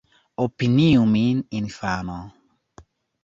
Opiniu min infano.